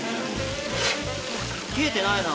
冷えてないな。